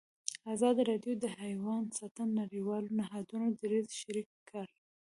ازادي راډیو د حیوان ساتنه د نړیوالو نهادونو دریځ شریک کړی.